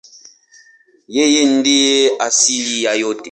Yeye ndiye asili ya yote.